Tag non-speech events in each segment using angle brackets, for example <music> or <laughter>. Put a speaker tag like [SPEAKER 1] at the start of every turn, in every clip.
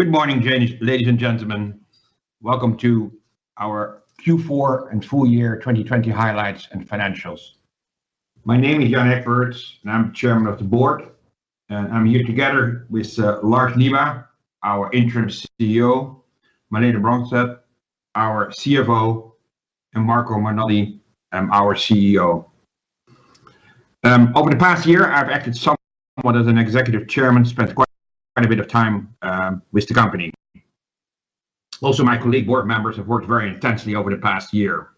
[SPEAKER 1] Good morning, ladies and gentlemen. Welcome to our Q4 and Full Year 2020 Highlights and Financials. My name is Jan H. Egberts, I'm chairman of the board. I'm here together with Lars Nieba, our interim CEO, Malene Brøndberg, our CFO, and Marco Renoldi, our COO. Over the past year, I've acted somewhat as an executive chairman, spent quite a bit of time with the company. Also, my colleague board members have worked very intensely over the past year.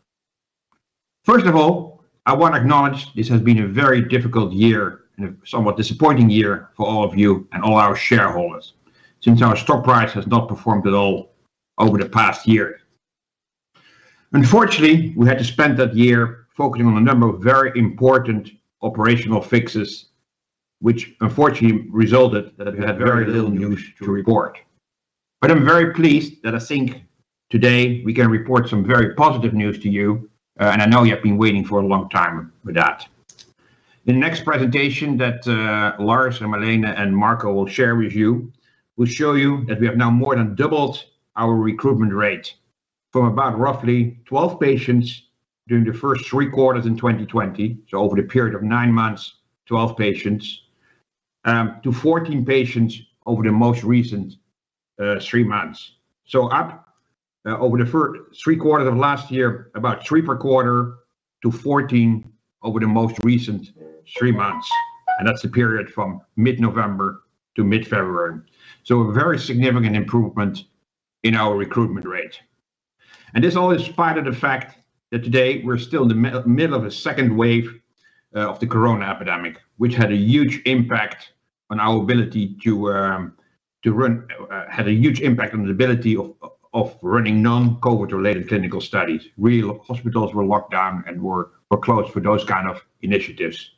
[SPEAKER 1] First of all, I want to acknowledge this has been a very difficult year and a somewhat disappointing year for all of you and all our shareholders, since our stock price has not performed at all over the past year. Unfortunately, we had to spend that year focusing on a number of very important operational fixes, which unfortunately resulted that we had very little news to report. I'm very pleased that I think today we can report some very positive news to you, and I know you have been waiting for a long time for that. The next presentation that Lars and Malene and Marco will share with you will show you that we have now more than doubled our recruitment rate from about roughly 12 patients during the first three quarters in 2020, so over the period of nine months, 12 patients, to 14 patients over the most recent three months. Up over the first three quarters of last year, about three per quarter to 14 over the most recent three months. That's the period from mid-November to mid-February. A very significant improvement in our recruitment rate. This all in spite of the fact that today we're still in the middle of a second wave of the COVID-19 epidemic, which had a huge impact on the ability of running non-COVID-related clinical studies. Real hospitals were locked down and were closed for those kind of initiatives.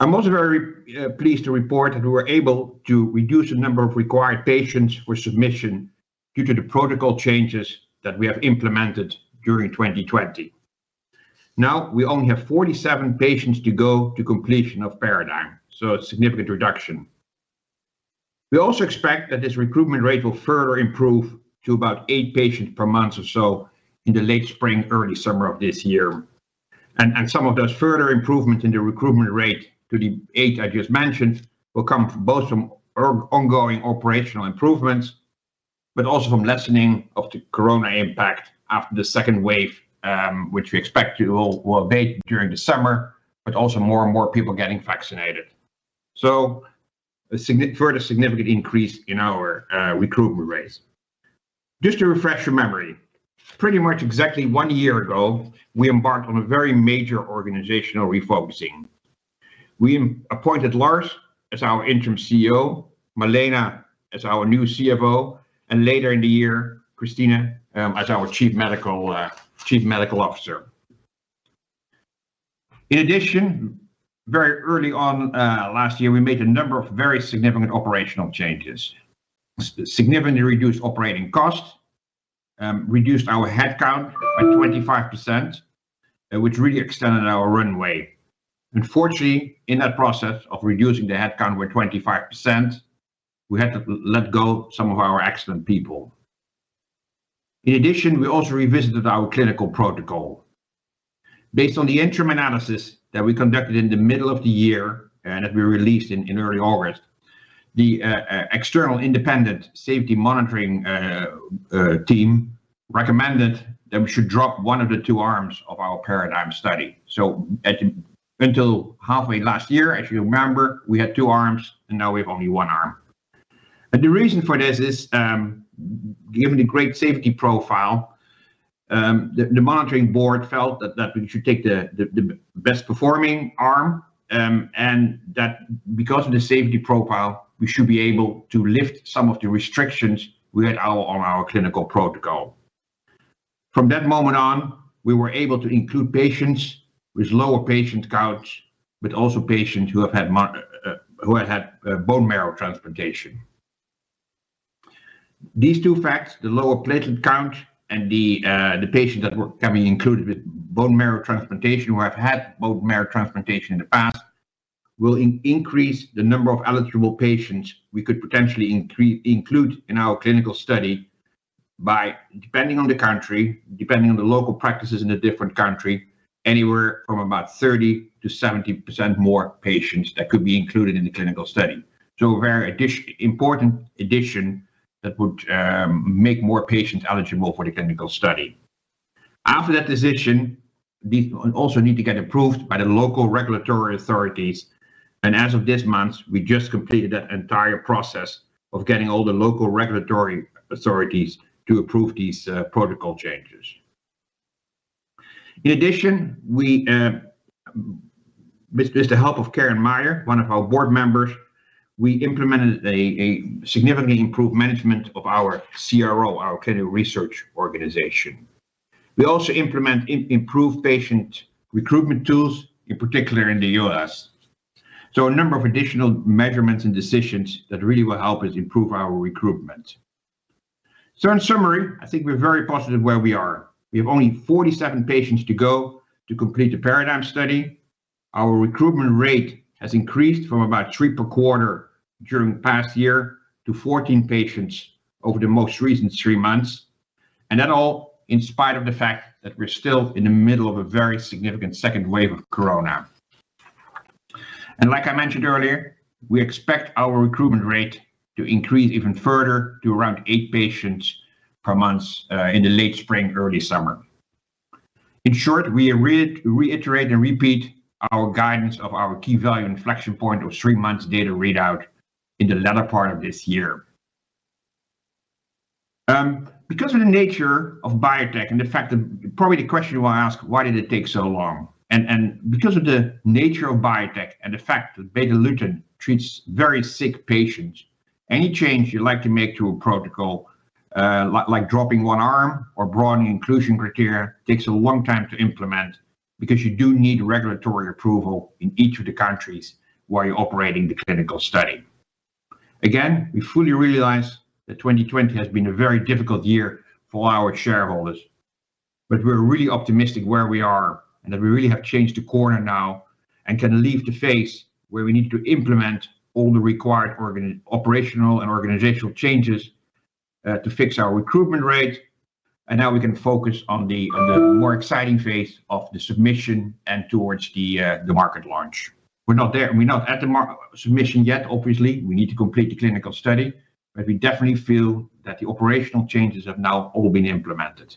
[SPEAKER 1] I'm also very pleased to report that we were able to reduce the number of required patients for submission due to the protocol changes that we have implemented during 2020. Now we only have 47 patients to go to completion of PARADIGME, so a significant reduction. We also expect that this recruitment rate will further improve to about eight patients per month or so in the late spring, early summer of this year. Some of those further improvements in the recruitment rate to the eight I just mentioned will come both from ongoing operational improvements, but also from lessening of the corona impact after the second wave, which we expect will abate during the summer, but also more and more people getting vaccinated. A further significant increase in our recruitment rates. Just to refresh your memory, pretty much exactly one year ago, we embarked on a very major organizational refocusing. We appointed Lars as our interim CEO, Malene Brøndberg as our new CFO, and later in the year, Christina as our Chief Medical Officer. In addition, very early on last year, we made a number of very significant operational changes. Significantly reduced operating costs, reduced our headcount by 25%, which really extended our runway. Unfortunately, in that process of reducing the headcount by 25%, we had to let go some of our excellent people. In addition, we also revisited our clinical protocol. Based on the interim analysis that we conducted in the middle of the year and that we released in early August, the external independent safety monitoring team recommended that we should drop one of the two arms of our PARADIGME study. Until halfway last year, if you remember, we had two arms, and now we have only one arm. The reason for this is, given the great safety profile, the monitoring board felt that we should take the best-performing arm and that because of the safety profile, we should be able to lift some of the restrictions we had on our clinical protocol. From that moment on, we were able to include patients with lower platelet counts, but also patients who have had bone marrow transplantation. These two facts, the lower platelet count and the patients that were coming included with bone marrow transplantation, who have had bone marrow transplantation in the past, will increase the number of eligible patients we could potentially include in our clinical study by, depending on the country, depending on the local practices in the different country, anywhere from about 30%-70% more patients that could be included in the clinical study. A very important addition that would make more patients eligible for the clinical study. After that decision, these also need to get approved by the local regulatory authorities. As of this month, we just completed that entire process of getting all the local regulatory authorities to approve these protocol changes. In addition, with the help of Karin Meyer, one of our board members, we implemented a significantly improved management of our CRO, our clinical research organization. We also implement improved patient recruitment tools, in particular in the U.S. A number of additional measurements and decisions that really will help us improve our recruitment. In summary, I think we're very positive where we are. We have only 47 patients to go to complete the PARADIGME study. Our recruitment rate has increased from about three per quarter during the past year to 14 patients over the most recent three months. That all in spite of the fact that we're still in the middle of a very significant second wave of COVID-19. Like I mentioned earlier, we expect our recruitment rate to increase even further to around eight patients per month in the late spring, early summer. In short, we reiterate and repeat our guidance of our key value inflection point of three months data readout in the latter part of this year. Probably the question you will ask, why did it take so long? Because of the nature of biotech and the fact that Betalutin treats very sick patients, any change you'd like to make to a protocol, like dropping one arm or broadening inclusion criteria, takes a long time to implement because you do need regulatory approval in each of the countries where you're operating the clinical study. Again, we fully realize that 2020 has been a very difficult year for our shareholders, but we're really optimistic where we are and that we really have changed a corner now and can leave the phase where we need to implement all the required operational and organizational changes to fix our recruitment rate. Now we can focus on the more exciting phase of the submission and towards the market launch. We're not at the submission yet, obviously. We need to complete the clinical study. We definitely feel that the operational changes have now all been implemented.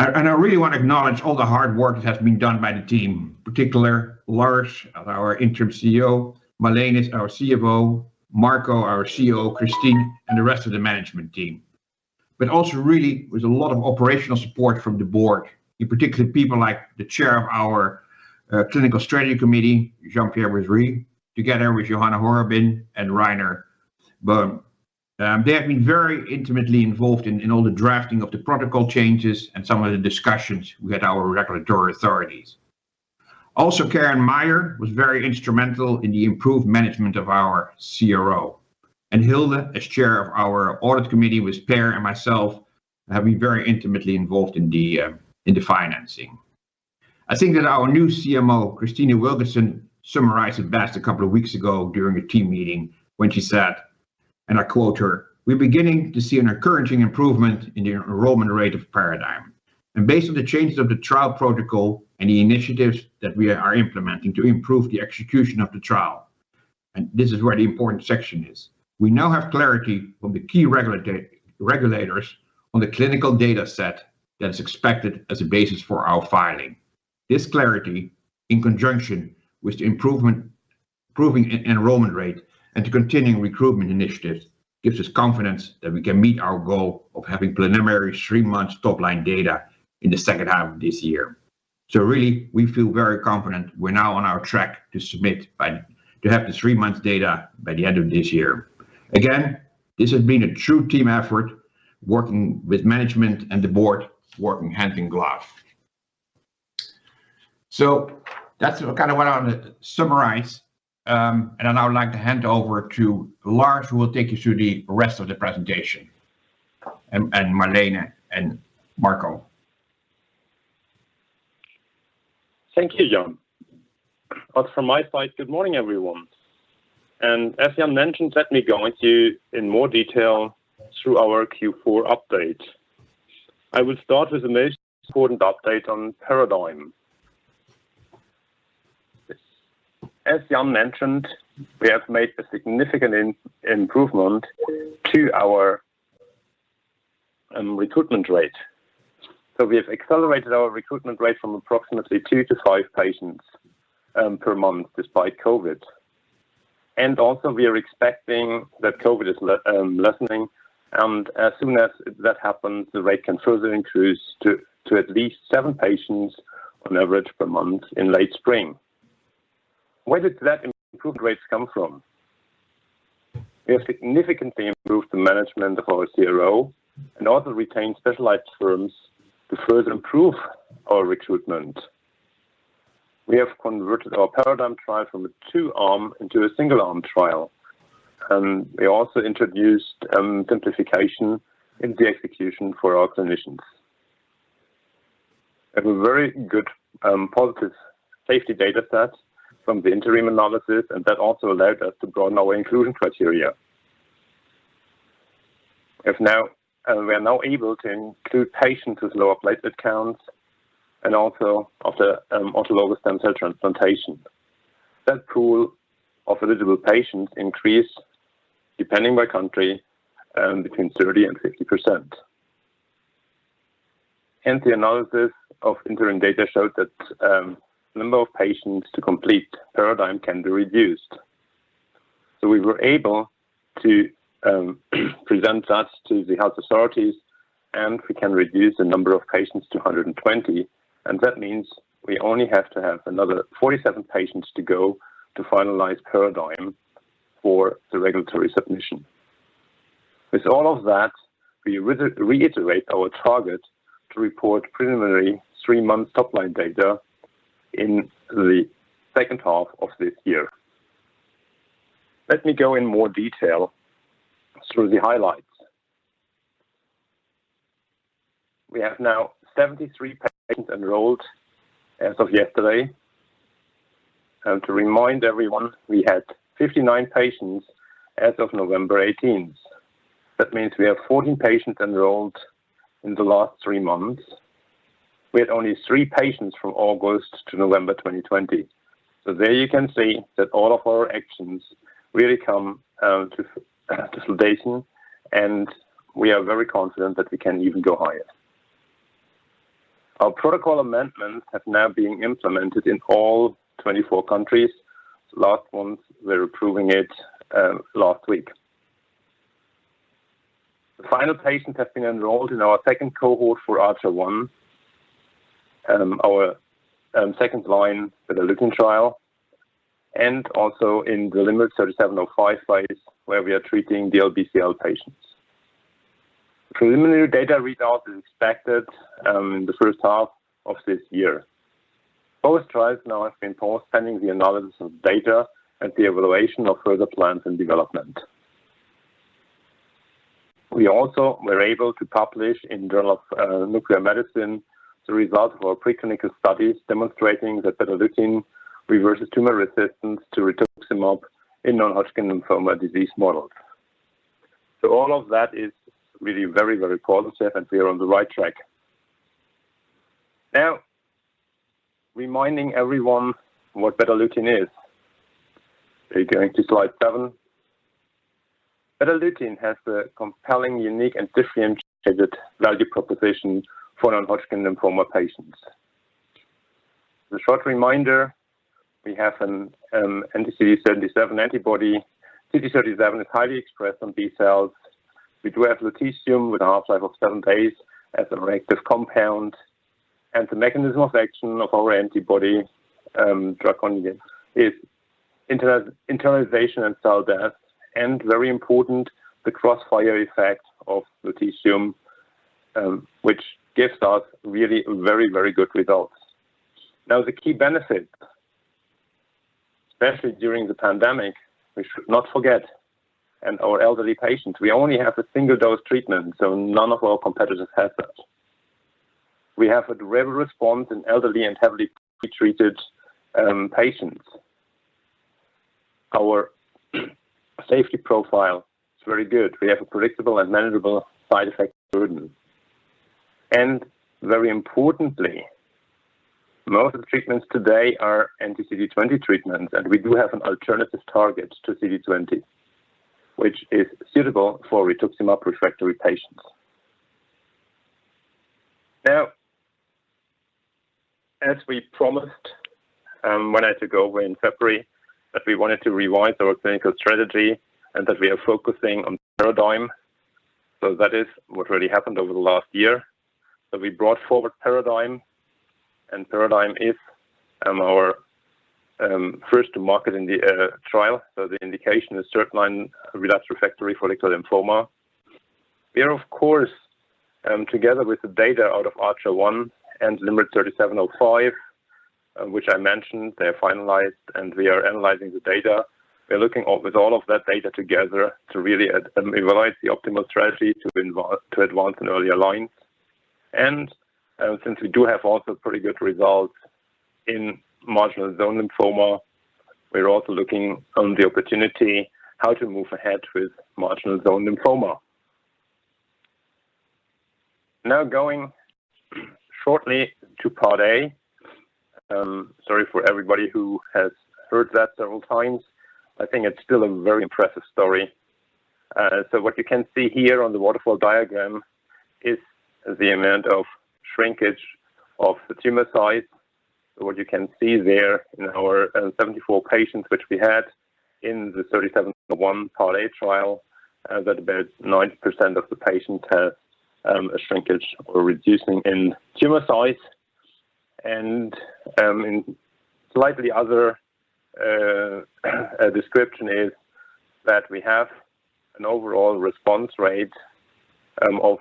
[SPEAKER 1] I really want to acknowledge all the hard work that has been done by the team, particularly Lars, our Interim CEO, Malene, our CFO, Marco, our COO, Christine, and the rest of the management team. Also really there's a lot of operational support from the board, particularly people like the Chair of our Clinical Strategy Committee, Jean-Pierre Bizzari, together with Johanna Holldack and Rainer Böhm. They have been very intimately involved in all the drafting of the protocol changes and some of the discussions with our regulatory authorities. Also, Karin Meyer was very instrumental in the improved management of our CRO. Hilde, as Chair of our Audit Committee with Per and myself, have been very intimately involved in the financing. I think that our new CMO, Christine Wilkinson, summarized it best a couple of weeks ago during a team meeting when she said, and I quote her, "We're beginning to see an encouraging improvement in the enrollment rate of PARADIGME. Based on the changes of the trial protocol and the initiatives that we are implementing to improve the execution of the trial." This is where the important section is. "We now have clarity from the key regulators on the clinical data set that is expected as a basis for our filing. This clarity, in conjunction with improving enrollment rate and the continuing recruitment initiatives, gives us confidence that we can meet our goal of having preliminary three-month top-line data in the second half of this year. Really, we feel very confident we're now on our track to have the three months data by the end of this year. This has been a true team effort, working with management and the board, working hand in glove. That's kind of what I want to summarize. I now would like to hand over to Lars, who will take you through the rest of the presentation. Marlene and Marco.
[SPEAKER 2] Thank you, Jan. From my side, good morning, everyone. As Jan mentioned, let me go with you in more detail through our Q4 update. I will start with the most important update on PARADIGME. As Jan mentioned, we have made a significant improvement to our recruitment rate. We have accelerated our recruitment rate from approximately two to five patients per month despite COVID. Also we are expecting that COVID is lessening. As soon as that happens, the rate can further increase to at least seven patients on average per month in late spring. Where did that improved rates come from? We have significantly improved the management of our CRO and also retained specialized firms to further improve our recruitment. We have converted our PARADIGME trial from a two-arm into a single-arm trial. We also introduced simplification in the execution for our clinicians. We have a very good positive safety data set from the interim analysis, and that also allowed us to broaden our inclusion criteria. We are now able to include patients with lower platelet counts and also after autologous stem cell transplantation. That pool of eligible patients increased, depending by country, between 30% and 50%. The analysis of interim data showed that number of patients to complete PARADIGME can be reduced. We were able to present that to the health authorities, and we can reduce the number of patients to 120, and that means we only have to have another 47 patients to go to finalize PARADIGME for the regulatory submission. With all of that, we reiterate our target to report preliminary three-month top-line data in the second half of this year. Let me go in more detail through the highlights. We have now 73 patients enrolled as of yesterday. To remind everyone, we had 59 patients as of November 18th. That means we have 14 patients enrolled in the last three months. We had only three patients from August to November 2020. There you can see that all of our actions really come to fruition, and we are very confident that we can even go higher. Our protocol amendments have now been implemented in all 24 countries. Last ones, we're approving it last week. The final patient has been enrolled in our second cohort for ARCHER-1, our second-line Betalutin trial, and also in the LYMRIT 37-05 phase, where we are treating DLBCL patients. Preliminary data readout is expected in the first half of this year. Both trials now have been paused pending the analysis of data and the evaluation of further plans and development. We also were able to publish in The Journal of Nuclear Medicine the results of our preclinical studies demonstrating that Betalutin reverses tumor resistance to rituximab in non-Hodgkin lymphoma disease models. All of that is really very, very positive, and we are on the right track. Reminding everyone what Betalutin is. We're going to slide seven. Betalutin has a compelling, unique, and differentiated value proposition for non-Hodgkin lymphoma patients. As a short reminder, we have an anti-CD37 antibody. CD37 is highly expressed on B-cells. We do have lutetium with a half-life of seven days as an active compound, and the mechanism of action of our antibody-radionuclide-conjugate is internalization and cell death, and very important, the crossfire effect of lutetium, which gives us really very, very good results. The key benefit, especially during the pandemic, we should not forget our elderly patients. We only have a single-dose treatment. None of our competitors has that. We have a durable response in elderly and heavily pretreated patients. Our safety profile is very good. We have a predictable and manageable side effect burden. Very importantly, most of the treatments today are anti-CD20 treatments, and we do have an alternative target to CD20, which is suitable for rituximab-refractory patients. Now, as we promised, when I took over in February, that we wanted to revise our clinical strategy and that we are focusing on PARADIGME. That is what really happened over the last year. We brought forward PARADIGME, and PARADIGME is our first-to-market trial. The indication is third-line relapse/refractory follicular lymphoma. We are, of course, together with the data out of ARCHER-1 and LYMRIT 37-05, which I mentioned, they're finalized, and we are analyzing the data. We are looking with all of that data together to really evaluate the optimal strategy to advance in earlier lines. Since we do have also pretty good results in marginal zone lymphoma, we are also looking on the opportunity how to move ahead with marginal zone lymphoma. Going shortly to Part A. Sorry for everybody who has heard that several times. I think it's still a very impressive story. What you can see here on the waterfall diagram is the amount of shrinkage of the tumor size. What you can see there in our 74 patients, which we had in the 37-01 Part A trial, that about 90% of the patients had a shrinkage or reducing in tumor size. Slightly other description is that we have an overall response rate of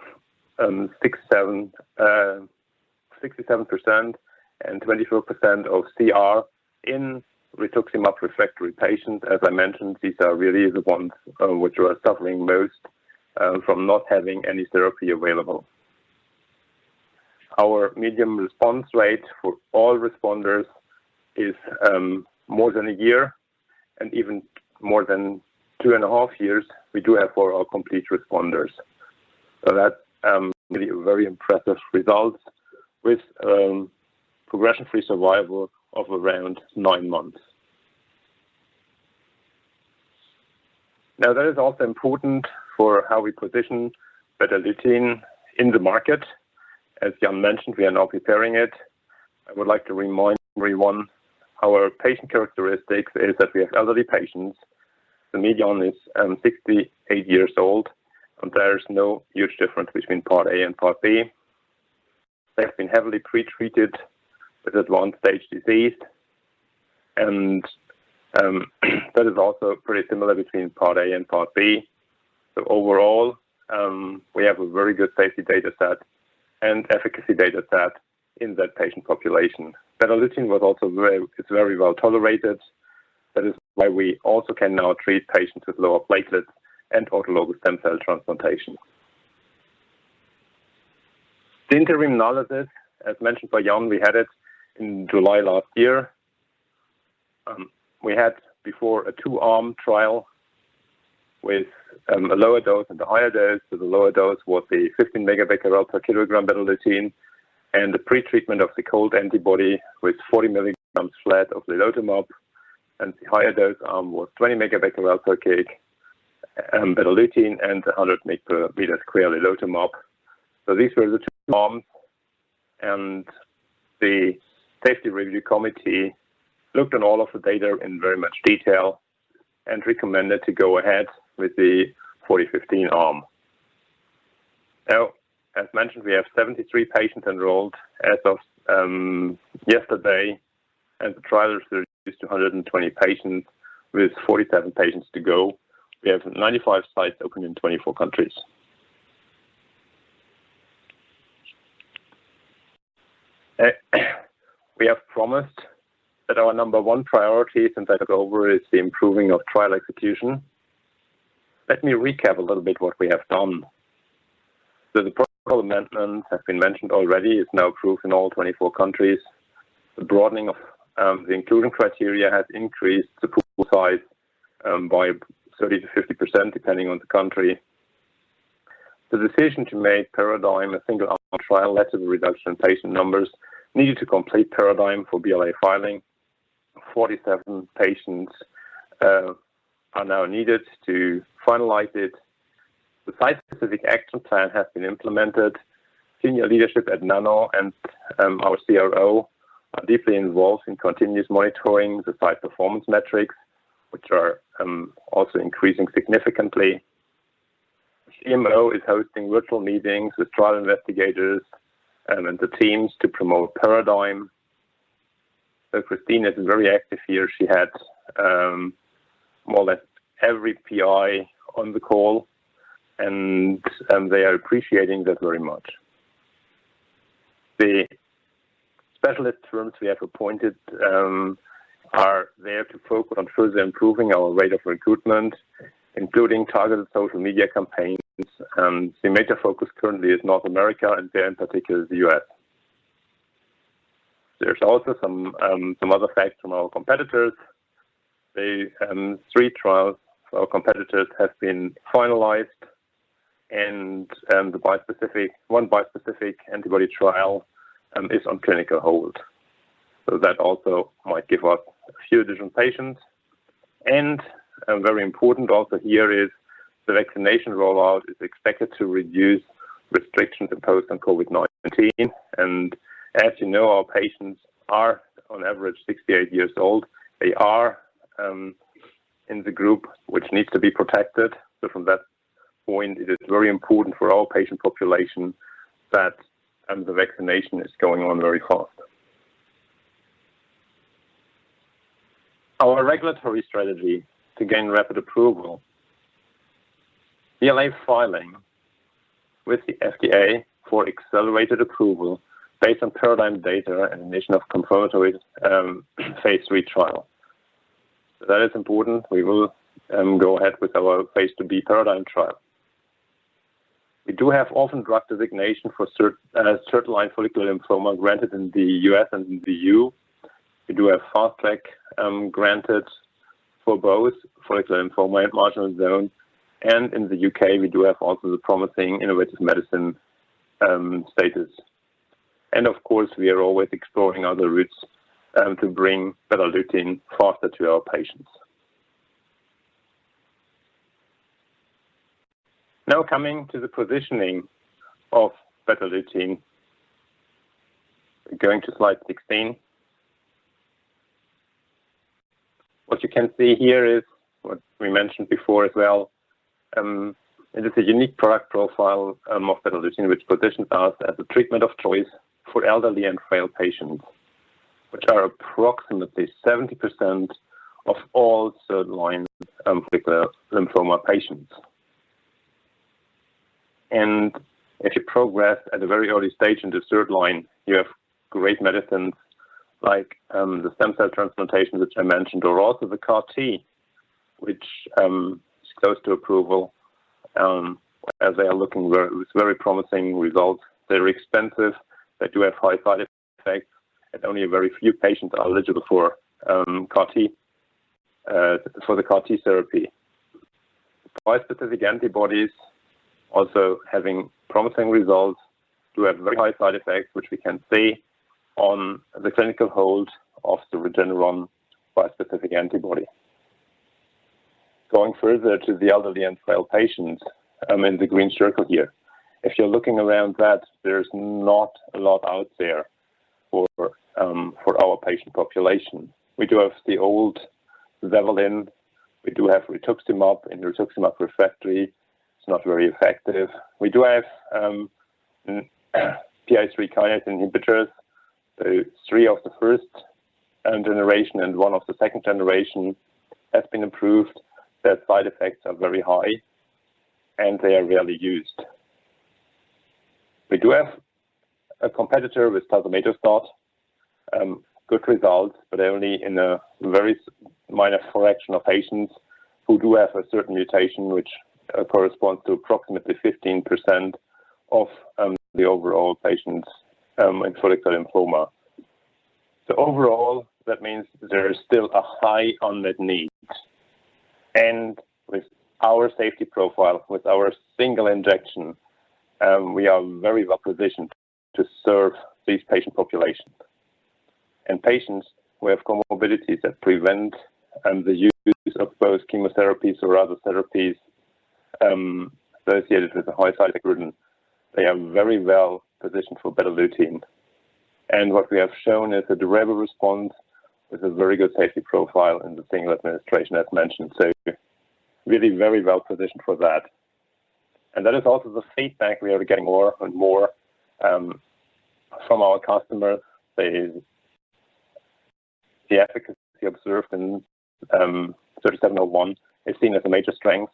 [SPEAKER 2] 67%, and 24% of CR in rituximab-refractory patients. As I mentioned, these are really the ones which were suffering most from not having any therapy available. Our median response rate for all responders is more than a year, and even more than two and a half years we do have for our complete responders. That's really a very impressive result with progression-free survival of around nine months. That is also important for how we position Betalutin in the market. As Jan mentioned, we are now preparing it. I would like to remind everyone our patient characteristics is that we have elderly patients. The median is 68 years old. There is no huge difference between Part A and Part B. They've been heavily pre-treated with advanced stage disease, and that is also pretty similar between Part A and Part B. Overall, we have a very good safety data set and efficacy data set in that patient population. Betalutin is very well-tolerated. That is why we also can now treat patients with lower platelets and autologous stem cell transplantation. The interim analysis, as mentioned by Jan, we had it in July last year. We had before a two-arm trial with a lower dose and a higher dose. The lower dose was the 15 megabecquerel per kilogram Betalutin and the pre-treatment of the cold antibody with 40 milligrams flat of lilotomab. The higher dose arm was 20 megabecquerel per kg Betalutin and 100 mg per meter squared lilotomab. These were the two arms, and the Safety Review Committee looked at all of the data in very much detail and recommended to go ahead with the 40/15 arm. As mentioned, we have 73 patients enrolled as of yesterday, and the trial is 220 patients with 47 patients to go. We have 95 sites open in 24 countries. We have promised that our number one priority since I took over is the improving of trial execution. Let me recap a little bit what we have done. The protocol amendment has been mentioned already, is now approved in all 24 countries. The broadening of the inclusion criteria has increased the pool size by 30%-50%, depending on the country. The decision to make PARADIGME a single-arm trial led to the reduction in patient numbers needed to complete PARADIGME for BLA filing. 47 patients are now needed to finalize it. The site-specific action plan has been implemented. Senior leadership at Nano and our CRO are deeply involved in continuous monitoring the site performance metrics, which are also increasing significantly. CMO is hosting virtual meetings with trial investigators and the teams to promote PARADIGME. Christine is very active here. She had more or less every PI on the call, and they are appreciating that very much. The specialist firms we have appointed are there to focus on further improving our rate of recruitment, including targeted social media campaigns. The major focus currently is North America, and there in particular, the U.S. There's also some other facts from our competitors. The three trials of our competitors have been finalized, and one bispecific antibody trial is on clinical hold. That also might give us a few additional patients. Very important also here is the vaccination rollout is expected to reduce restrictions imposed on COVID-19. As you know, our patients are on average 68 years old. They are in the group which needs to be protected. From that point, it is very important for our patient population that the vaccination is going on very fast. Our regulatory strategy to gain rapid approval. BLA filing with the FDA for accelerated approval based on PARADIGME data in addition of confirmatory phase III trial. That is important. We will go ahead with our phase II-B PARADIGME trial. We do have Orphan Drug Designation for third-line follicular lymphoma granted in the U.S. and the EU. We do have Fast Track granted for both follicular lymphoma and marginal zone. In the U.K., we do have also the Promising Innovative Medicine status. Of course, we are always exploring other routes to bring Betalutin faster to our patients. Now, coming to the positioning of Betalutin. Going to slide 16. What you can see here is what we mentioned before as well. It is a unique product profile of Betalutin which positions us as a treatment of choice for elderly and frail patients, which are approximately 70% of all third-line follicular lymphoma patients. If you progress at a very early stage into third line, you have great medicines like the stem cell transplantation, which I mentioned, or also the CAR T, which is close to approval, as they are looking with very promising results. They are expensive. They do have high side effects, and only a very few patients are eligible for the CAR T therapy. Bispecific antibodies also having promising results. Do have very high side effects, which we can see on the clinical hold of the Regeneron bispecific antibody. Going further to the elderly and frail patients in the green circle here. If you are looking around that, there is not a lot out there for our patient population. We do have the old REVLIMID, we do have rituximab, and rituximab refractory is not very effective. We do have PI3K inhibitors, three of the first generation and one of the second generation has been approved. Their side effects are very high, they are rarely used. We do have a competitor with tazemetostat. Good results, only in a very minor fraction of patients who do have a certain mutation which corresponds to approximately 15% of the overall patients in follicular lymphoma. Overall, that means there is still a high unmet need. With our safety profile, with our single injection, we are very well-positioned to serve these patient populations. Patients who have comorbidities that prevent the use of both chemotherapies or other therapies associated with a high side burden, they are very well-positioned for Betalutin. What we have shown is a durable response with a very good safety profile in the single administration, as mentioned. Really very well-positioned for that. That is also the feedback we are getting more and more from our customers is the efficacy observed in 37-01 is seen as a major strength.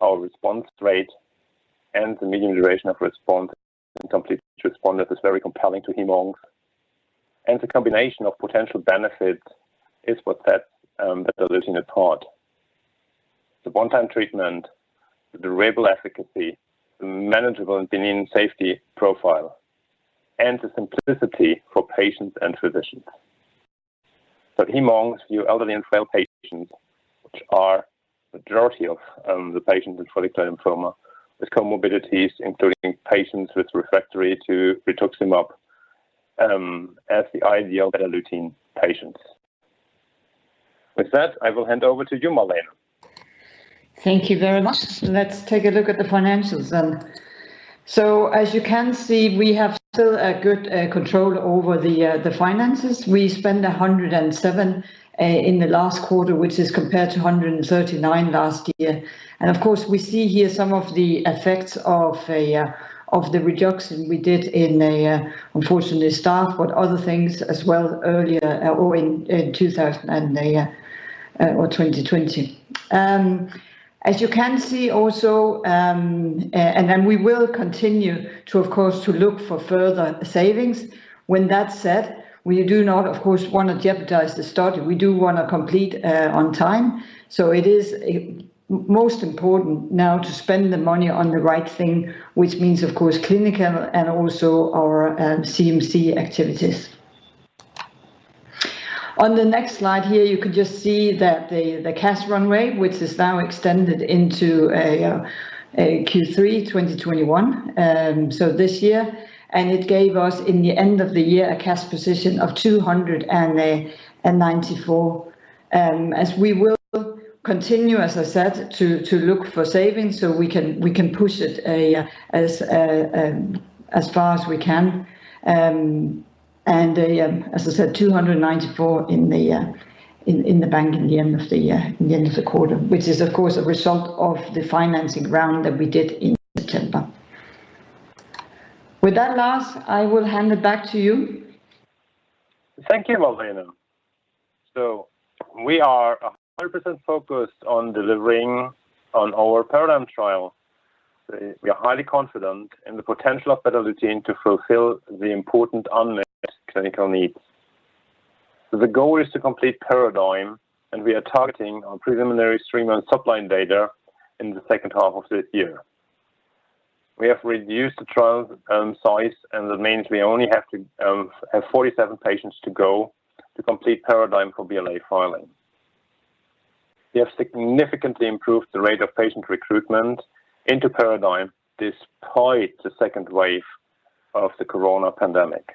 [SPEAKER 2] Our response rate and the median duration of response and complete responsiveness is very compelling to hem-oncs. The combination of potential benefits is what sets Betalutin apart. The one-time treatment, the durable efficacy, the manageable and benign safety profile, and the simplicity for patients and physicians. Hem-oncs, your elderly and frail patients, which are the majority of the patients with follicular lymphoma, with comorbidities, including patients with refractory to rituximab, as the ideal Betalutin patients. With that, I will hand over to you, Malene.
[SPEAKER 3] Thank you very much. Let's take a look at the financials. As you can see, we have still a good control over the finances. We spent 107 in the last quarter, which is compared to 139 last year. Of course, we see here some of the effects of the reduction we did in unfortunately staff, but other things as well earlier or in 2020. As you can see also, we will continue to, of course, to look for further savings. When that's said, we do not, of course, want to jeopardize the study. We do want to complete on time. It is most important now to spend the money on the right thing, which means, of course, clinical and also our CMC activities. On the next slide here, you can just see that the cash runway, which is now extended into a Q3 2021, so this year. It gave us, in the end of the year, a cash position of 294. As we will continue, as I said, to look for savings so we can push it as far as we can. As I said, 294 in the bank in the end of the year, in the end of the quarter, which is, of course, a result of the financing round that we did in September. With that, Lars, I will hand it back to you.
[SPEAKER 2] Thank you, Malene. We are 100% focused on delivering on our PARADIGME trial. We are highly confident in the potential of Betalutin to fulfill the important unmet clinical needs. The goal is to complete PARADIGME, and we are targeting our preliminary three-month top-line data in the second half of this year. We have reduced the trial size, and that means we only have to have 47 patients to go to complete PARADIGME for BLA filing. We have significantly improved the rate of patient recruitment into PARADIGME despite the second wave of the corona pandemic.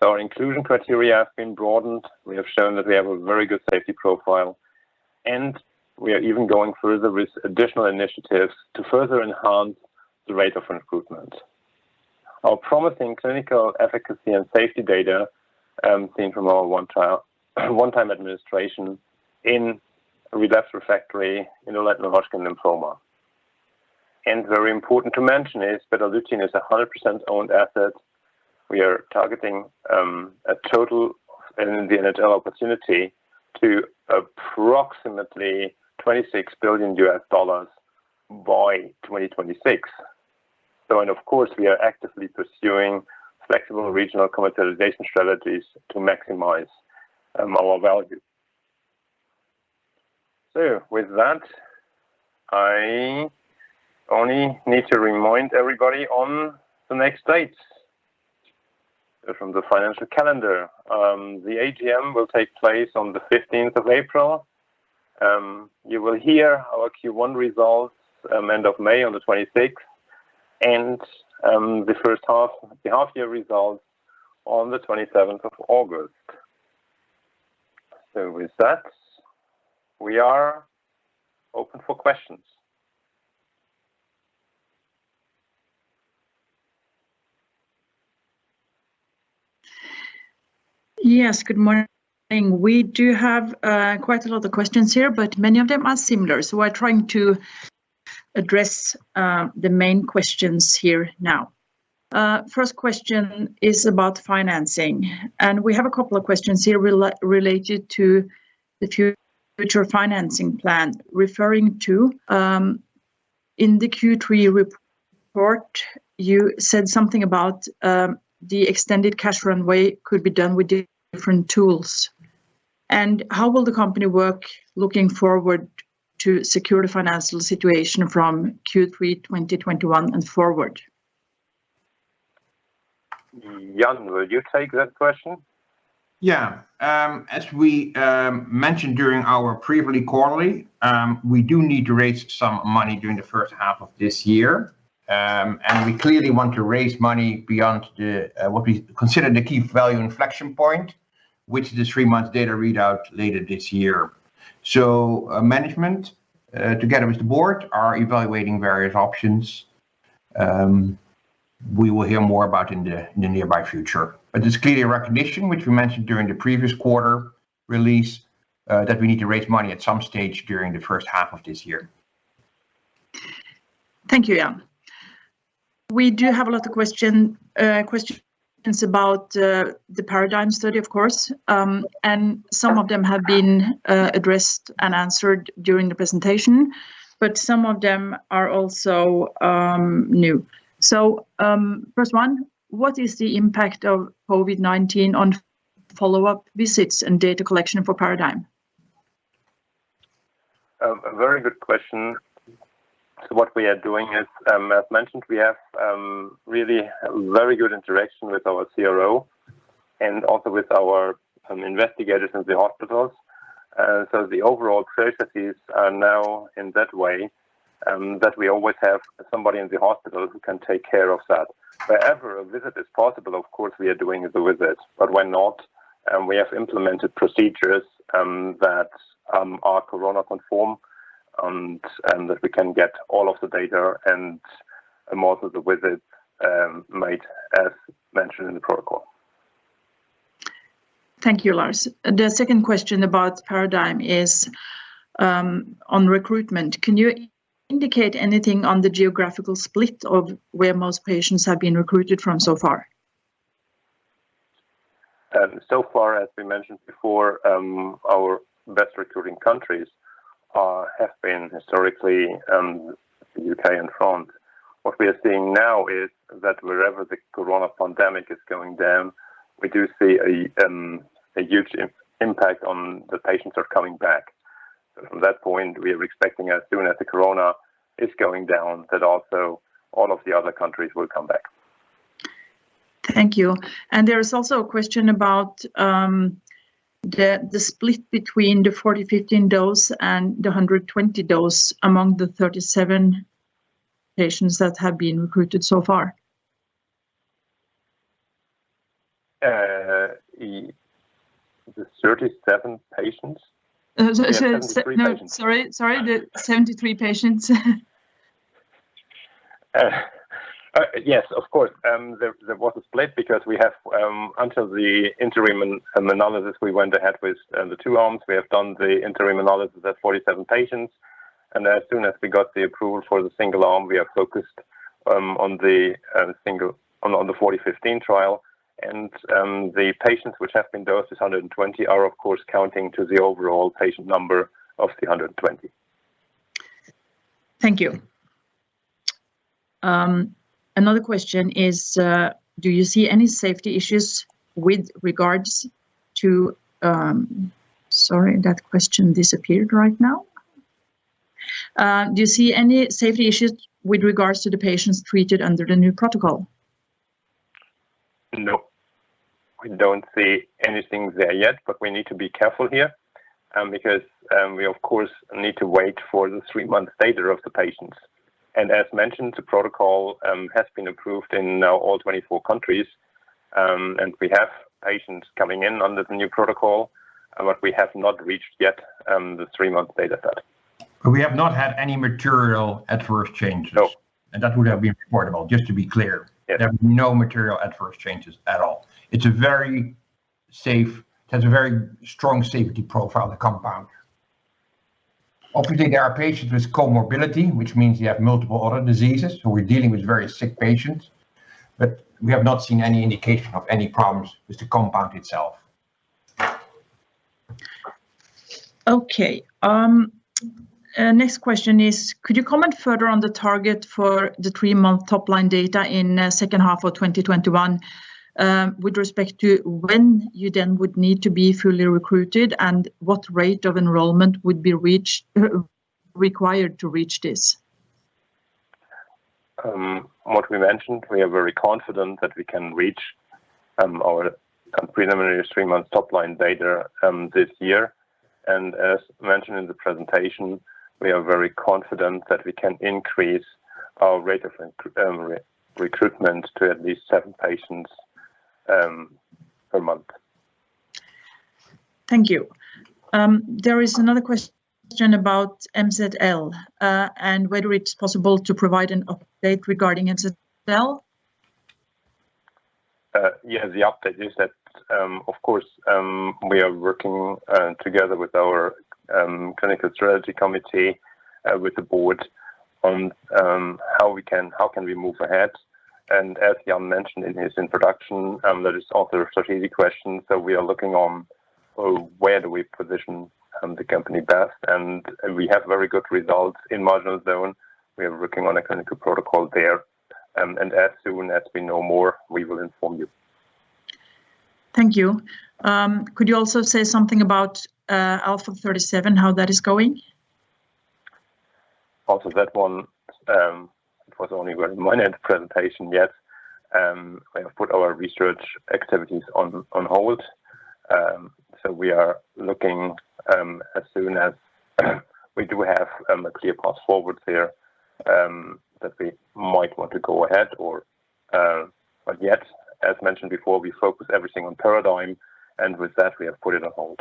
[SPEAKER 2] Our inclusion criteria have been broadened. We have shown that we have a very good safety profile, and we are even going further with additional initiatives to further enhance the rate of recruitment. Our promising clinical efficacy and safety data seen from our one-time administration in relapsed/refractory follicular lymphoma. Very important to mention is Betalutin is a 100% owned asset. We are targeting a total <audio distortion> opportunity to approximately $26 billion by 2026. Of course, we are actively pursuing flexible regional commercialization strategies to maximize our value. With that, I only need to remind everybody on the next dates from the financial calendar. The AGM will take place on the 15th of April. You will hear our Q1 results end of May on the 26th. The first half, the half-year results on the 27th of August. With that, we are open for questions.
[SPEAKER 4] Yes, good morning. We do have quite a lot of questions here, but many of them are similar. We're trying to address the main questions here now. First question is about financing. We have a couple of questions here related to the future financing plan. Referring to in the Q3 report, you said something about the extended cash runway could be done with different tools. How will the company work looking forward to secure the financial situation from Q3 2021 and forward?
[SPEAKER 2] Jan, will you take that question?
[SPEAKER 1] Yeah. As we mentioned during our previous quarterly, we do need to raise some money during the first half of this year. We clearly want to raise money beyond what we consider the key value inflection point, which is the three-month data readout later this year. Management, together with the board, are evaluating various options. We will hear more about in the nearby future. It's clearly a recognition, which we mentioned during the previous quarter release, that we need to raise money at some stage during the first half of this year.
[SPEAKER 4] Thank you, Jan. We do have a lot of questions about the PARADIGME study, of course, and some of them have been addressed and answered during the presentation, but some of them are also new. First one, what is the impact of COVID-19 on follow-up visits and data collection for PARADIGME?
[SPEAKER 2] A very good question. What we are doing is, as mentioned, we have really very good interaction with our CRO and also with our investigators in the hospitals. The overall processes are now in that way that we always have somebody in the hospital who can take care of that. Wherever a visit is possible, of course, we are doing the visit. When not, we have implemented procedures that are corona conform, and that we can get all of the data and most of the visits made as mentioned in the protocol.
[SPEAKER 4] Thank you, Lars. The second question about PARADIGME is on recruitment. Can you indicate anything on the geographical split of where most patients have been recruited from so far?
[SPEAKER 2] Far, as we mentioned before, our best recruiting countries have been historically the U.K. and France. What we are seeing now is that wherever the Corona pandemic is going down, we do see a huge impact on the patients are coming back. From that point, we are expecting as soon as the Corona is going down, that also all of the other countries will come back.
[SPEAKER 4] Thank you. There is also a question about the split between the 40/15 dose and the 100/20 dose among the 37 patients that have been recruited so far.
[SPEAKER 2] The 37 patients?
[SPEAKER 4] No, sorry. The 73 patients.
[SPEAKER 2] Yes, of course. There was a split because we have until the interim analysis, we went ahead with the two arms. We have done the interim analysis at 47 patients. As soon as we got the approval for the single arm, we have focused on the 40/15 trial. The patients which have been dosed with 100/20 are of course, counting to the overall patient number of the 120.
[SPEAKER 4] Thank you. Sorry, that question disappeared right now. Do you see any safety issues with regards to the patients treated under the new protocol?
[SPEAKER 2] No. We don't see anything there yet. We need to be careful here because we, of course, need to wait for the three-month data of the patients. As mentioned, the protocol has been approved in now all 24 countries, and we have patients coming in under the new protocol. We have not reached yet the three-month data set.
[SPEAKER 1] We have not had any material adverse changes.
[SPEAKER 2] No.
[SPEAKER 1] That would have been reportable, just to be clear.
[SPEAKER 2] Yes.
[SPEAKER 1] There are no material adverse changes at all. It has a very strong safety profile, the compound. There are patients with comorbidity, which means they have multiple other diseases. We're dealing with very sick patients. We have not seen any indication of any problems with the compound itself.
[SPEAKER 4] Okay. Next question is could you comment further on the target for the three-month top-line data in second half of 2021 with respect to when you then would need to be fully recruited, and what rate of enrollment would be required to reach this?
[SPEAKER 2] What we mentioned, we are very confident that we can reach our preliminary three-month top-line data this year. As mentioned in the presentation, we are very confident that we can increase our rate of recruitment to at least seven patients per month.
[SPEAKER 4] Thank you. There is another question about MZL and whether it's possible to provide an update regarding MZL.
[SPEAKER 2] Yeah. The update is that, of course, we are working together with our Clinical Strategy Committee, with the board on how can we move ahead. As Jan mentioned in his introduction, that is also a strategic question. We are looking on where do we position the company best, and we have very good results in marginal zone. We are working on a clinical protocol there. As soon as we know more, we will inform you.
[SPEAKER 4] Thank you. Could you also say something about Alpha37, how that is going?
[SPEAKER 2] That one was only very minor presentation yet. We have put our research activities on hold. We are looking as soon as we do have a clear path forward there that we might want to go ahead. Yet, as mentioned before, we focus everything on PARADIGME, and with that, we have put it on hold.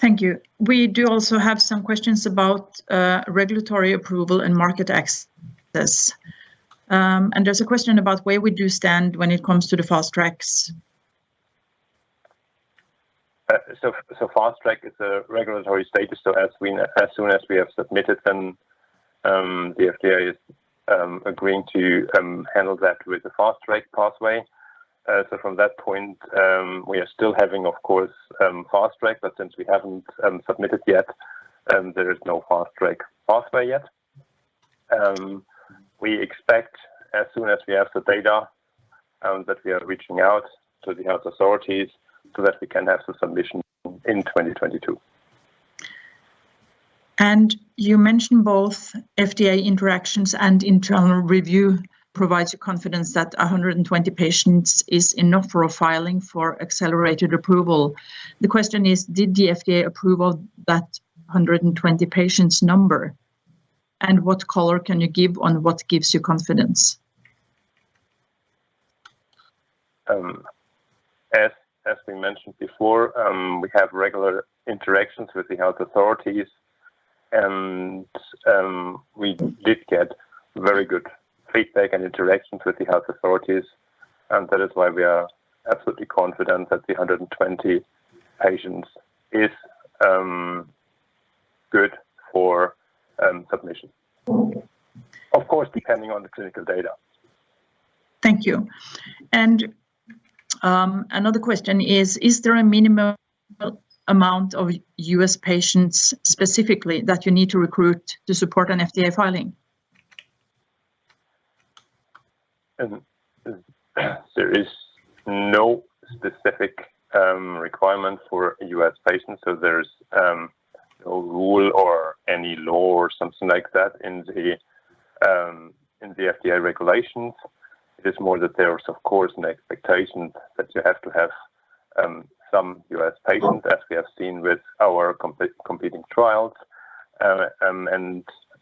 [SPEAKER 4] Thank you. We do also have some questions about regulatory approval and market access. There's a question about where we do stand when it comes to the Fast Tracks.
[SPEAKER 2] Fast Track is a regulatory status. As soon as we have submitted, then the FDA is agreeing to handle that with the Fast Track pathway. From that point, we are still having, of course, Fast Track, but since we haven't submitted yet, there is no Fast Track pathway yet. We expect as soon as we have the data that we are reaching out to the health authorities so that we can have the submission in 2022.
[SPEAKER 4] You mentioned both FDA interactions and internal review provides you confidence that 120 patients is enough for a filing for accelerated approval. The question is, did the FDA approval that 120 patients number? What color can you give on what gives you confidence?
[SPEAKER 2] As we mentioned before, we have regular interactions with the health authorities, and we did get very good feedback and interactions with the health authorities, and that is why we are absolutely confident that the 120 patients is good for submission. Of course, depending on the clinical data.
[SPEAKER 4] Thank you. Another question is there a minimal amount of U.S. patients specifically that you need to recruit to support an FDA filing?
[SPEAKER 2] There is no specific requirement for U.S. patients. There's no rule or any law or something like that in the FDA regulations. It is more that there is, of course, an expectation that you have to have some U.S. patients, as we have seen with our competing trials.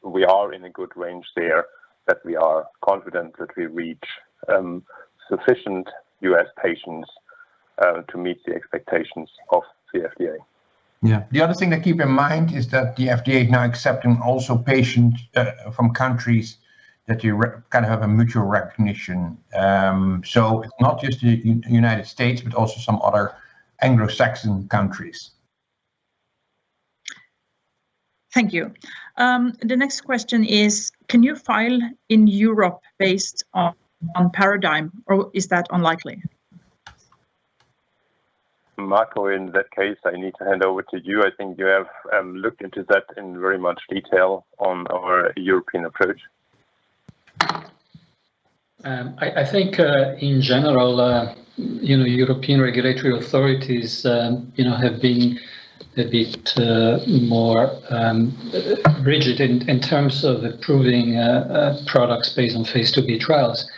[SPEAKER 2] We are in a good range there that we are confident that we reach sufficient U.S. patients, to meet the expectations of the FDA.
[SPEAKER 1] Yeah. The other thing to keep in mind is that the FDA is now accepting also patients from countries that you kind of have a mutual recognition. Not just the United States, but also some other Anglo-Saxon countries.
[SPEAKER 4] Thank you. The next question is can you file in Europe based on PARADIGME, or is that unlikely?
[SPEAKER 2] Marco, in that case, I need to hand over to you. I think you have looked into that in very much detail on our European approach.
[SPEAKER 5] I think in general European regulatory authorities have been a bit more rigid in terms of approving products based on phase II-B trials.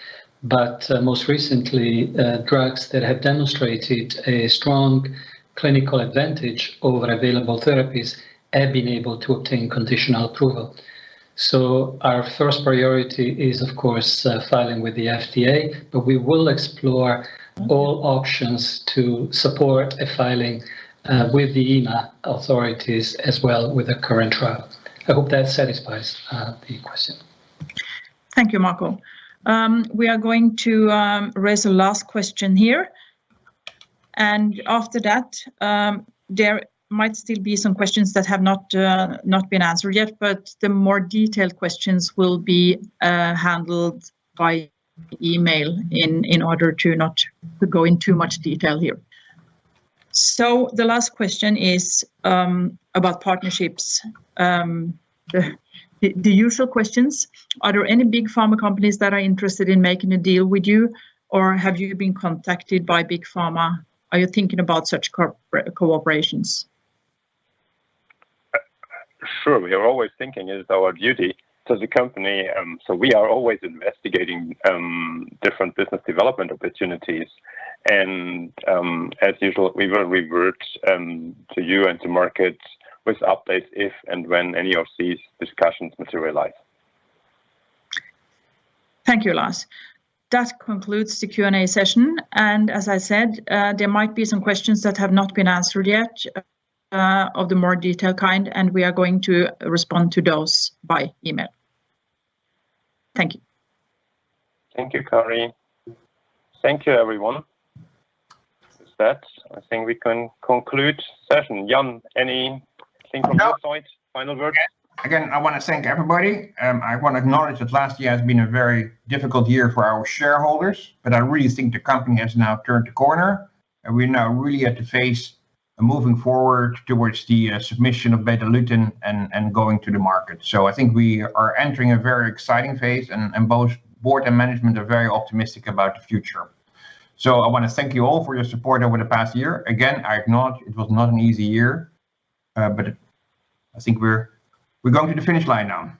[SPEAKER 5] Most recently, drugs that have demonstrated a strong clinical advantage over available therapies have been able to obtain conditional approval. Our first priority is, of course, filing with the FDA, but we will explore all options to support a filing with the EMA authorities as well with the current trial. I hope that satisfies the question.
[SPEAKER 4] Thank you, Marco. We are going to raise the last question here, and after that, there might still be some questions that have not been answered yet, but the more detailed questions will be handled by email in order to not go in too much detail here. The last question is about partnerships. The usual questions. Are there any big pharma companies that are interested in making a deal with you, or have you been contacted by big pharma? Are you thinking about such cooperations?
[SPEAKER 2] Sure. We are always thinking it is our duty to the company. We are always investigating different business development opportunities and, as usual, we will revert to you and to markets with updates if and when any of these discussions materialize.
[SPEAKER 4] Thank you, Lars. That concludes the Q&A session. As I said, there might be some questions that have not been answered yet of the more detailed kind, and we are going to respond to those by email. Thank you.
[SPEAKER 2] Thank you, Kari. Thank you, everyone. With that, I think we can conclude session. Jan, anything from your side? Final words?
[SPEAKER 1] Again, I want to thank everybody. I want to acknowledge that last year has been a very difficult year for our shareholders, but I really think the company has now turned the corner, and we're now really at the phase of moving forward towards the submission of Betalutin and going to the market. I think we are entering a very exciting phase, and both board and management are very optimistic about the future. I want to thank you all for your support over the past year. Again, I acknowledge it was not an easy year, but I think we're going to the finish line now.